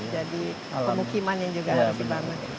jadi pemukiman yang juga harus dibangun